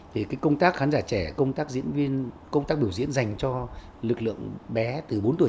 thì công tác khán giả trẻ công tác diễn viên công tác biểu diễn dành cho lực lượng bé từ bốn tuổi